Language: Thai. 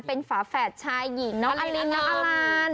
เป็นฝาแฝดชายหญิงน้องอลินน้องอลัน